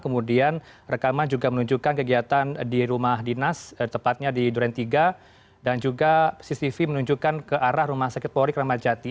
kemudian rekaman juga menunjukkan kegiatan di rumah dinas tepatnya di duren tiga dan juga cctv menunjukkan ke arah rumah sakit polri kramat jati